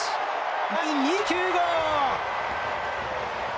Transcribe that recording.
第２９号！